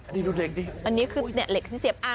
นี่ดูเหล็กดิอันนี้คือเหล็กที่เสียบอ้า